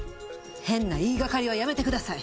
変な言い掛かりはやめてください！